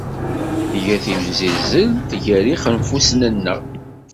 Nga timsizzelt gar yixenfusen-nneɣ.